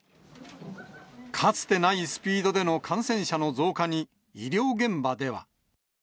かつてないスピードでの感染者の増加に、医療現場では。